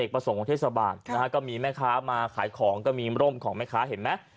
ประสงค์ของเทศบาลนะฮะก็มีแม่ค้ามาขายของก็มีร่มของแม่ค้าเห็นไหม